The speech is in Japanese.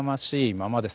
ままです。